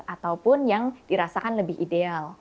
ataupun yang dirasakan lebih ideal